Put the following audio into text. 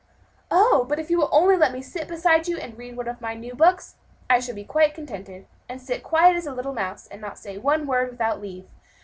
"Oh! but if you will only let me sit beside you and read one of my new books, I shall be quite contented, and sit as quiet as a little mouse, and not say one word without leave.